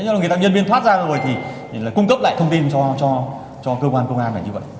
nhiều nhân viên thoát ra rồi thì cung cấp lại thông tin cho cơ quan công an